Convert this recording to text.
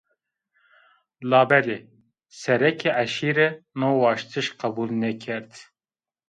Labelê serekê eşîre no waştiş qebul nêkerd